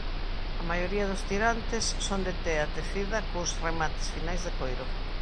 A maioría dos tirantes son de tea tecida cuns remates finais de coiro.